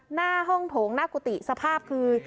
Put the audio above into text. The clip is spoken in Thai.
หน้าห้องโถงหน้ากุฏิสภาพคือ